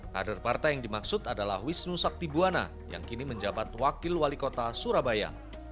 kader partai yang dimaksud adalah wisnu sakti buwana yang kini menjabat wakil wali kota surabaya